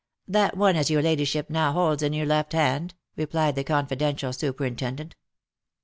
" That one as your ladyship now holds in your left hand," replied the confidential superintendent.